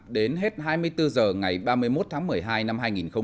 đến hết hai mươi bốn h ngày ba mươi một tháng một mươi hai năm hai nghìn hai mươi